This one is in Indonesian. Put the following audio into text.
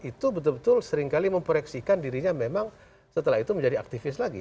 itu betul betul seringkali memproyeksikan dirinya memang setelah itu menjadi aktivis lagi